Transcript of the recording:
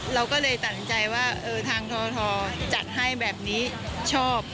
เราก็เลยตั้งใจว่าเออทางทอทอจัดให้แบบนี้ชอบ